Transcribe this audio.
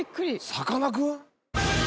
さかなクン！？